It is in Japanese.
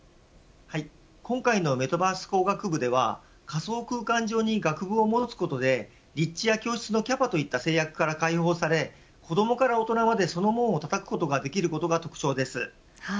今回のメタバース工学部では仮想空間上に学部を持つことで立地や教室のキャパといった制約から解放され子どもから大人までできるのが特徴です。